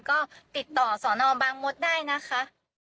ก็ติดต่อสบมได้นะคะ